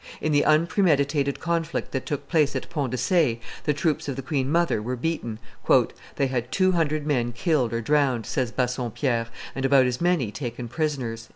In the unpremeditated conflict that took place at Ponts de Ce, the troops of the queen mother were beaten. "They had two hundred men killed or drowned," says Bassompierre, "and about as many taken prisoners."